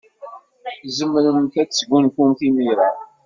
Tzemremt ad tesgunfumt imir-a.